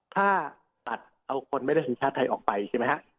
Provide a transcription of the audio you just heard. ถ้าตัดเอาคนไม่ได้สัญชาติไทยออกไปใช่ไหมฮะ